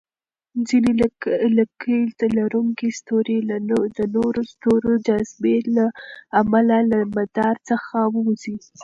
ځینې لکۍ لرونکي ستوري د نورو ستورو جاذبې له امله له مدار څخه ووځي.